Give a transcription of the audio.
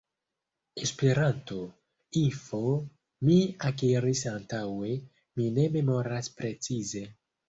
Esperanto.info mi akiris antaŭe, mi ne memoras precize.